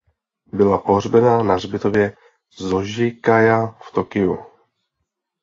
Byla pohřbena na hřbitově Zošigaja v Tokiu.